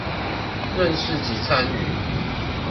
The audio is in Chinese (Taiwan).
認識及參與